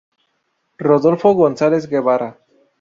Rodolfo González Guevara.